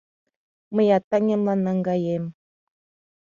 Мыят таҥемлан наҥгаем.